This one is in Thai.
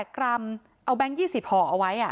กรัมเอาแบงค์๒๐ห่อเอาไว้